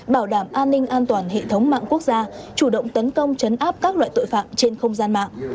bảo đảm an ninh an toàn hệ thống mạng quốc gia chủ động tấn công chấn áp các loại tội phạm trên không gian mạng